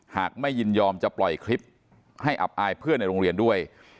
หากไม่ยินยอมจะปล่อยคลิปให้อับอายเพื่อนในโรงเรียนด้วย